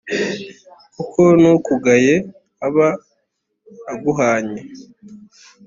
kuko n’ukugaye aba aguhannye,